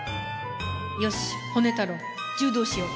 よしホネ太郎柔道しよう。